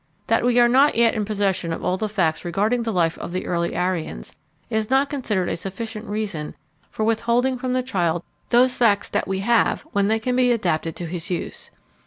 That we are not yet in possession of all the facts regarding the life of the early Aryans is not considered a sufficient reason for withholding from the child those facts that we have when they can be adapted to his use.